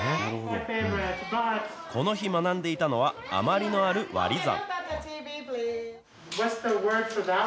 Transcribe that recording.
この日、学んでいたのはあまりのある割り算。